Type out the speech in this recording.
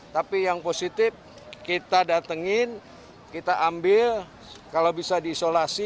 tapi yang positif kita datengin kita ambil kalau bisa diisolasi